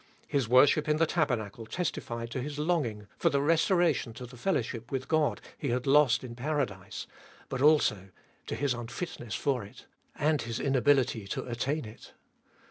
His worship in the tabernacle testified to his longing for the restoration to the fellowship with God he had lost in paradise, but also to his unfitness for it, and his inability to attain it.